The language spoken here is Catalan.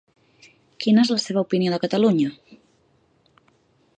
Quina és la seva opinió de Catalunya?